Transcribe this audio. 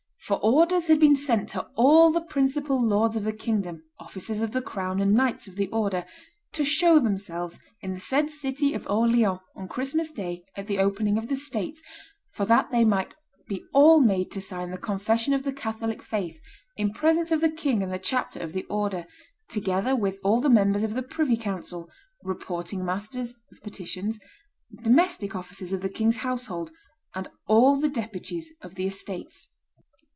For orders had been sent to all the principal lords of the kingdom, officers of the crown and knights of the order, to show themselves in the said city of Orleans on Christmas day at the opening of the states, for that they might be all made to sign the confession of the Catholic faith in presence of the king and the chapter of the order; together with all the members of the privy council, reporting masters (of petitions), domestic officers of the king's household, and all the deputies of the estates.